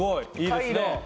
いいですね。